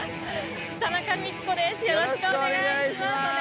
よろしくお願いします。